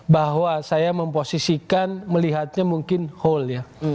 bahwa saya memposisikan melihatnya mungkin whole ya